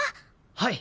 はい！